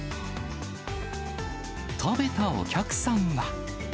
食べたお客さんは。